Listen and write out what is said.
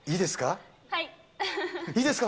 はい。